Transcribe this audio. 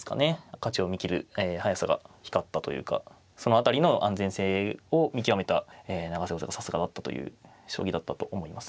勝ちを見切る速さが光ったというかその辺りの安全性を見極めた永瀬王座がさすがだったという将棋だったと思います。